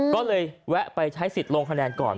ก็เลยแวะไปใช้สิทธิ์ลงคะแนนก่อน